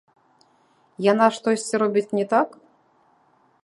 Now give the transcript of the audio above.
Яна штосьці робіць не так?